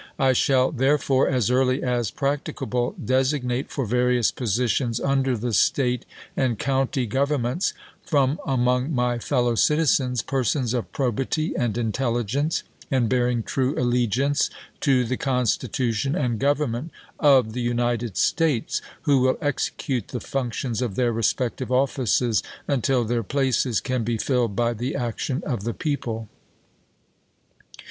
.. I shall, therefore, as early as practicable, designate for various positions under the State and county govern ments, from among my fellow citizens, persons of probity and intelligence, and bearing true allegiance to the Con stitution and Government of the United States, who will execute the functions of their respective offices until their places can be filled by the action of the people.